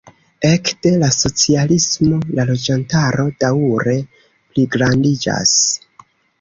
Ekde la socialismo la loĝantaro daŭre pligrandiĝas.